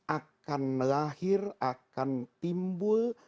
akan melahir akan timbul